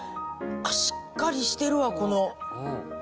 しっかりしてるわこの。